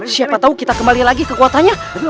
siapa tahu kita kembali lagi kekuatannya